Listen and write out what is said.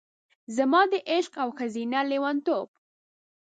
زما د عشق او ښځینه لیونتوب،